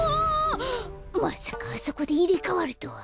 まさかあそこでいれかわるとは。